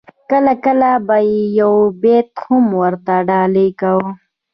کله کله به یې یو بیت هم ورته ډالۍ کاوه.